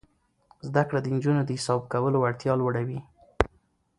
زده کړه د نجونو د حساب کولو وړتیا لوړوي.